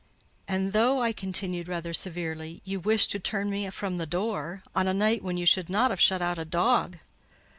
"And though," I continued, rather severely, "you wished to turn me from the door, on a night when you should not have shut out a dog."